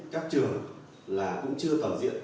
các trường là cũng chưa tỏa diện